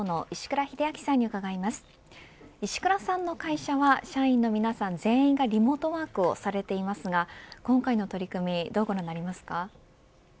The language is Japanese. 石倉さんの会社は社員の皆さん全員がリモートワークをされていますが今回の取り組みどうご覧になりますか。